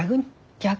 逆？